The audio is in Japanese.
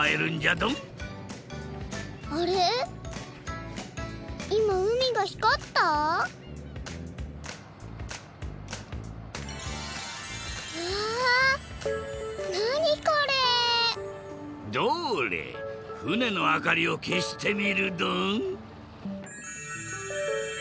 どれふねのあかりをけしてみるドン。